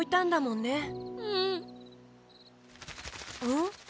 うん？